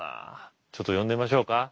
ちょっと呼んでみましょうか。